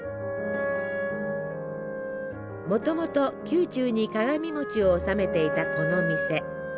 もともと宮中に鏡餅を納めていたこの店。